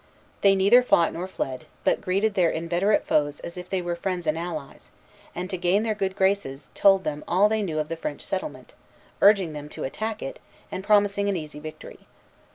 They neither fought nor fled, but greeted their inveterate foes as if they were friends and allies, and, to gain their good graces, told them all they knew of the French settlement, urging them to attack it, and promising an easy victory.